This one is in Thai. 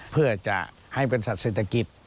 เพื่อจะให้เป็นสัตว์เศรษฐกิจ